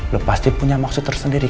lo pasti punya maksud tersendiri